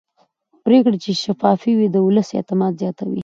پرېکړې چې شفافې وي د ولس اعتماد زیاتوي